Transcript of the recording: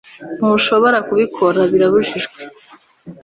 ntushobora kubikora. birabujijwe